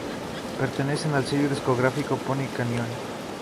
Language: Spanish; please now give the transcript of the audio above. Pertenecen al sello discográfico Pony Canyon.